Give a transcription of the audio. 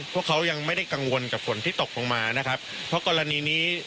พวกเขายังไม่ได้กังวลกับฝนที่ตกลงมานะครับเพราะกรณีนี้